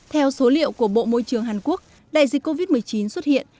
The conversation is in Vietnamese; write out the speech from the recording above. theo số liệu của bộ môi trường hàn quốc đại dịch covid một mươi chín xuất hiện